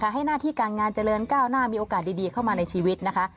ให้หน้าที่การงานเจริญก้าวหน้ามีโอกาสดีเข้ามาในชีวิตนะคะ